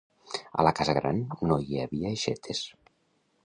A la casa gran no hi havia aixetes.